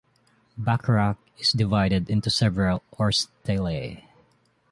Bacharach is divided into several "Ortsteile".